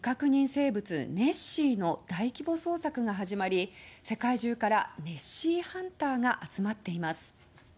生物ネッシーの大規模捜索が始まり世界中からネッシーハンターが集まっています。